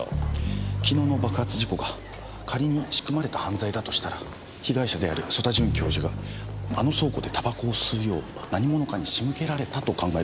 昨日の爆発事故が仮に仕組まれた犯罪だとしたら被害者である曽田准教授があの倉庫で煙草を吸うよう何者かに仕向けられたと考えるべきです。